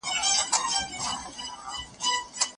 ټولنیز واقعیتونه بې نهایت او ډول ډول دي.